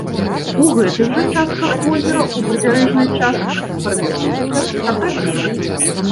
У гэтых жа частках возера ў прыбярэжнай частцы фарміруюцца сапрапелі.